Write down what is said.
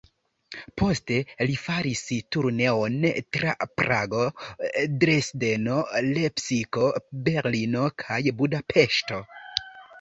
Poste, li faris turneon tra Prago, Dresdeno, Lepsiko, Berlino kaj Budapeŝto.